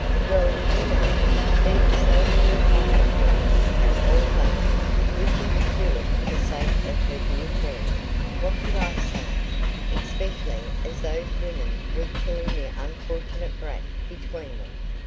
"Well, you know, being so really fond of her, and all that wishing to do it for the sake of her dear friend what could I say, especially as those women were killing the unfortunate brat between them?